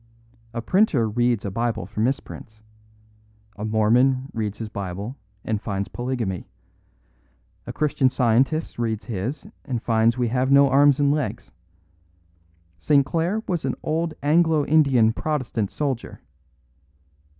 A printer reads a Bible for misprints. A Mormon reads his Bible, and finds polygamy; a Christian Scientist reads his, and finds we have no arms and legs. St. Clare was an old Anglo Indian Protestant soldier.